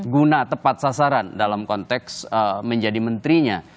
guna tepat sasaran dalam konteks menjadi menterinya